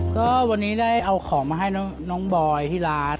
ก็วันนี้ได้เอาของมาให้น้องบอยที่ร้าน